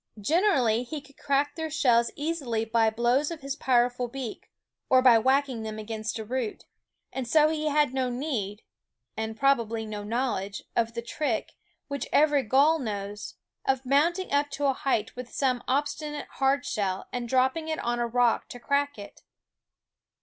Generally he 185 Quoskh ffie JKeenEyed i86 Quoskh Keen Eyed SCHOOL OF could crack their shells easily by blows of his powerful beak, or by whacking them against a root ; and so he had no need (and probably no knowledge) of the trick, which every gull knows, of mounting up to a height with some obstinate hardshell and dropping it on a rock to crack it.